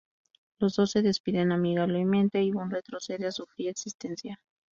Los dos se despiden amigablemente y Bond retrocede a su fría existencia.